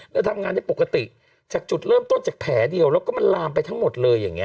เราทำงานได้ปกติจากจุดเริ่มต้นจากแผลเดียวแล้วก็มันลามไปทั้งหมดเลยอย่างนี้